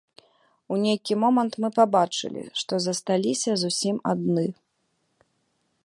У нейкі момант мы пабачылі, што засталіся зусім адны.